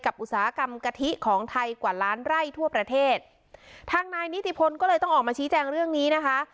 อุตสาหกรรมกะทิของไทยกว่าล้านไร่ทั่วประเทศทางนายนิติพลก็เลยต้องออกมาชี้แจงเรื่องนี้นะคะ